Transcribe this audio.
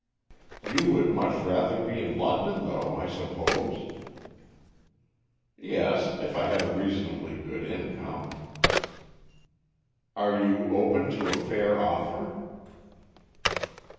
"You would much rather be in London, though, I suppose?" "Yes, if I had a reasonably good income." "Are you open to a fair offer?"